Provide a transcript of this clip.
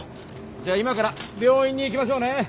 じゃあ今から病院に行きましょうね。